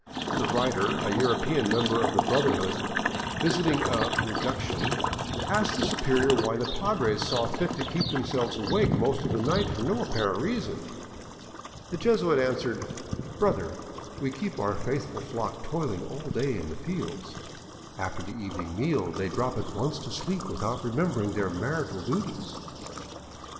The writer, a European member of the brother hood, visiting a " reduction," asked the superior why the Padres saw fit to keep themselves awake most of the night for no apparent reason. The Jesuit answered :" Brother, we keep our faithful flock toiling all day in the fields. After the evening meal they drop at once to sleep without remembering their marital duties.